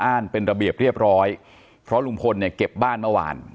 เป็นระเบียบเรียบร้อยเพราะลุงพลเนี่ยเก็บบ้านเมื่อวาน